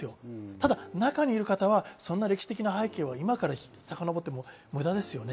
ただ中にいる方はそんな歴史的な背景を今からさかのぼっても無駄ですよね。